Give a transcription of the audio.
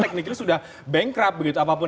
tekniknya sudah bengkrak begitu apapun